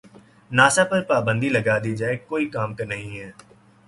NASA پر پابندی لگا دی جاۓ کوئی کام کا نہیں ہے